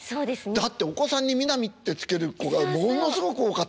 だってお子さんに南って付ける子がものすごく多かったもん。